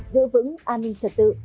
giữ vững an ninh trật tự